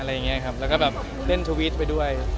แล้วก็แบบเล่นทวิตไปด้วย